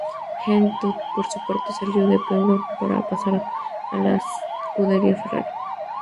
Jean Todt, por su parte, salió de Peugeot para pasar a la Scuderia Ferrari.